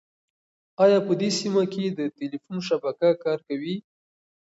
ایا په دې سیمه کې د تېلیفون شبکه کار کوي؟